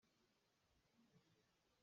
An i nin deuh hi kum thum hrawng a si cang.